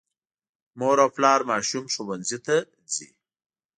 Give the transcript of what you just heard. مور او پلار ماشوم ښوونځي ته ځي.